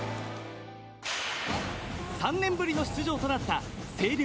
３年ぶりの出場となった星稜。